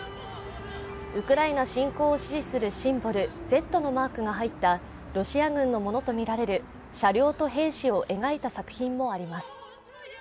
ウクライナ侵攻を支持するシンボル「Ｚ」のマークが入ったロシア軍のものとみられる車両と兵士を描いた作品もあります。